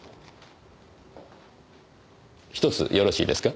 １つよろしいですか？